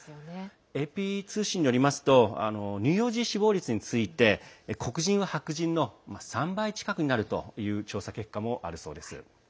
ＡＰ通信によりますと乳幼児死亡率について黒人は白人の３倍近くになるという調査結果もあるそうです。